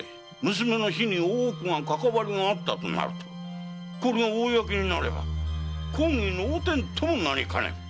娘の死に大奥がかかわりがあったとなると公になれば公儀の汚点ともなりかねぬ。